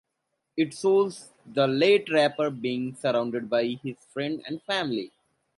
It shows the late rapper being surrounded by his friends and family.